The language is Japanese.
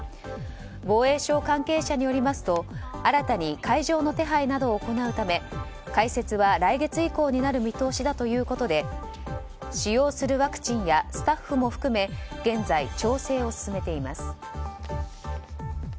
防衛省関係者によりますと新たに会場の手配などを行うため開設は来月以降になる見通しだということで使用するワクチンやスタッフも含め現在、調整を進めています。